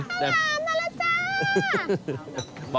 มาแล้วจ้า